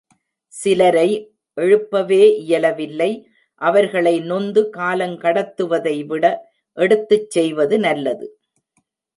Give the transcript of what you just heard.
சிலரை எழுப்பவே இயலவில்லை அவர்களை நொந்து காலங்கடத்துவதைவிட எடுத்துச் செய்வது நல்லது.